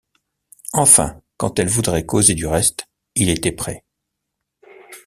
Enfin, quand elle voudrait causer du reste, il était prêt.